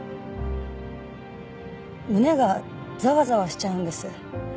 胸がざわざわしちゃうんです。